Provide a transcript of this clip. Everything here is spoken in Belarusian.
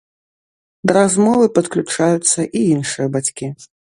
Да размовы падключаюцца і іншыя бацькі.